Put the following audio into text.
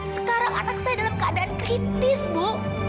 sekarang anak saya dalam keadaan kritis bu